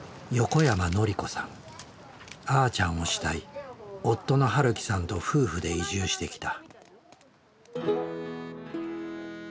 あーちゃんを慕い夫の晴樹さんと夫婦で移住してきた。